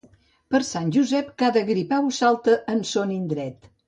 Per Sant Josep, cada gripau salta en son indret.